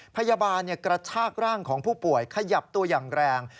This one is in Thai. พยาบาลกระชากร่างของผู้ป่วยขยับตัวอย่างแรง